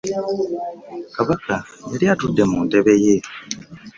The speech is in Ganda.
Kabaka yali atudde mu ntebe ye.